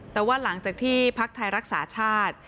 แต่ว่าหลังจากที่พักไทยรักษาชาติ